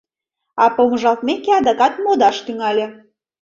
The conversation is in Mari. А помыжалтмеке, адакат модаш тӱҥале.